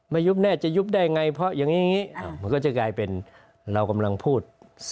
ยุบแน่จะยุบได้ไงเพราะอย่างนี้มันก็จะกลายเป็นเรากำลังพูด